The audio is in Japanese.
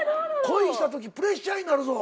恋したときプレッシャーになるぞ。